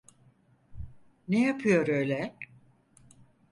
Ne yapıyor öyle?